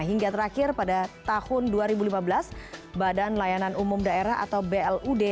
hingga terakhir pada tahun dua ribu lima belas badan layanan umum daerah atau blud